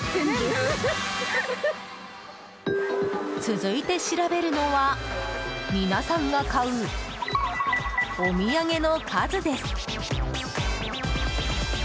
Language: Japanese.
続いて調べるのは皆さんが買うお土産の数です。